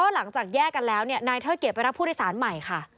หลังจากแยกกันแล้วนายเทิดเกียจไปรับผู้โดยสารใหม่ค่ะ